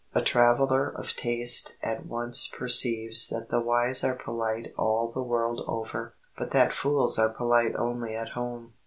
A traveler of taste at once perceives that the wise are polite all the world over, but that fools are polite only at home.